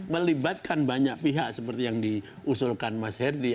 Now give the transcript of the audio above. melibatkan banyak pihak seperti yang diusulkan mas herdy